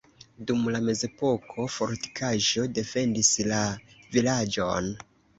Dum la mezepoko fortikaĵo defendis la vilaĝon.